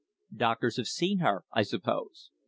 "Doctors have seen her, I suppose?"